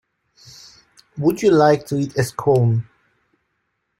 Would you like to eat a Scone?